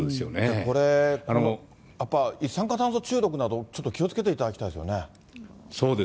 これ、やっぱ一酸化炭素中毒など、ちょっと気をつけていただきたいです